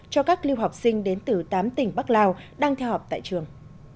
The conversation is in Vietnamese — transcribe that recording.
cho các liêu học sinh đến từ tám tỉnh bắc lào đang theo họp tại trường